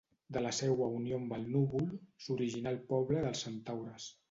De la seua unió amb el núvol, s'originà el poble dels centaures.